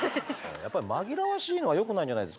やっぱ紛らわしいのはよくないんじゃないですかヴィランさん。